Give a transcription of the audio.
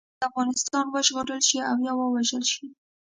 سږ کال باید افغانستان وژغورل شي او یا ووژل شي.